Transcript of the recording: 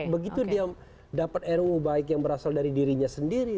begitu dia dapat ruu baik yang berasal dari dirinya sendiri